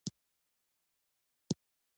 او د پښتون کلتور، سياست، نظرياتي پس منظر